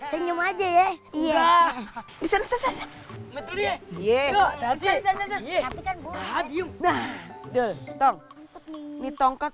senyum aja ya